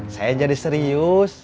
saya jadi serius